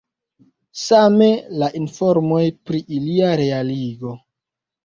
Same la informoj pri ilia realigo.